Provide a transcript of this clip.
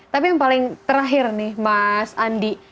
tapi yang paling terakhir nih mas andi